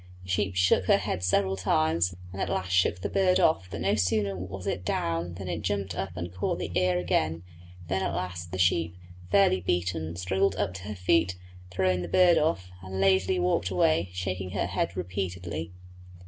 The sheep shook her head several times and at last shook the bird off; but no sooner was it down than it jumped up and caught the ear again; then at last the sheep, fairly beaten, struggled up to her feet, throwing the bird off, and lazily walked away, shaking her head repeatedly.